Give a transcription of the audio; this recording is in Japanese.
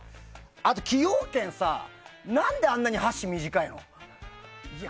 あと崎陽軒さあんなに何で箸短いの？